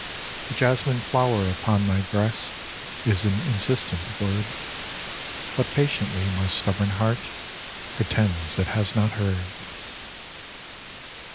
The jasmine flower upon my breast Is an insistent word, But patiently my stubborn heart Pretends it has not heard.